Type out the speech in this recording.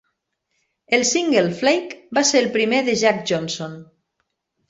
El single "Flake" va ser el primer de Jack Johnson.